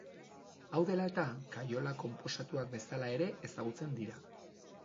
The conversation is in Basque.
Hau dela eta, kaiola konposatuak bezala ere ezagutzen dira.